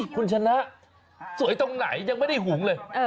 คุณชนะสวยตรงไหนยังไม่ได้หุงเลย